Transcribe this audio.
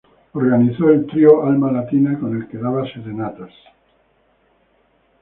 Organizó el trío Alma Latina, con el que daba serenatas.